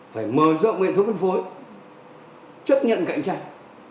phải mở rộng hệ thống phân phối chấp nhận cạnh tranh